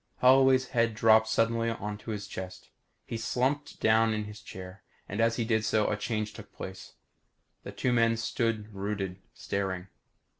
Holloway's head dropped suddenly onto his chest. He slumped down in his chair. And as he did so, a change took place. The two men stood rooted, staring.